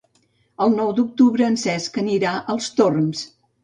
El nou d'octubre en Cesc anirà als Torms.